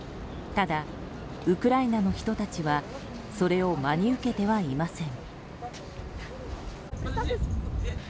ただ、ウクライナの人たちはそれを真に受けてはいません。